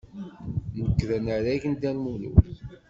Nekk d anarag n Dda Lmulud.